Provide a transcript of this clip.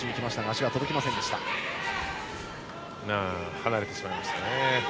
離れてしまいましたね。